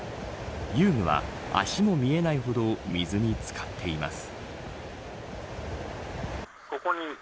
遊具は、脚も見えないほど水につかっています。